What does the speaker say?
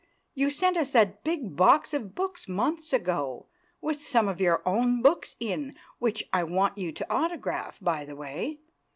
You sent us that big box of books months ago, with some of your own books in—which I want you to autograph, by the way.